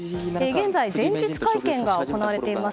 現在、前日会見が行われています。